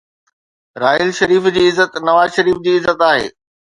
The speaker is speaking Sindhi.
راحيل شريف جي عزت نواز شريف جي عزت آهي.